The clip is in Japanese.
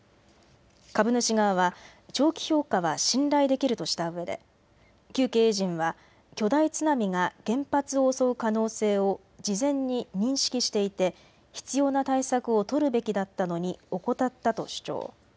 株主側は長期評価は信頼できるとしたうえで旧経営陣は巨大津波が原発を襲う可能性を事前に認識していて必要な対策を取るべきだったのに怠ったと主張。